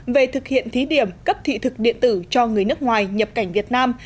về thực hiện thí điểm cấp thị thực điện tử cho người nước ngoài nhập cảnh việt nam